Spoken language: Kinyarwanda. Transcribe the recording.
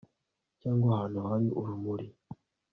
cyangwa ahantu hari urumuri